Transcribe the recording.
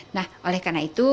nah oleh karena itu